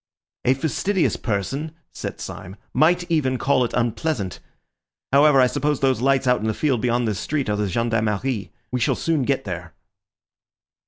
"A fastidious person," said Syme, "might even call it unpleasant. However, I suppose those lights out in the field beyond this street are the Gendarmerie. We shall soon get there."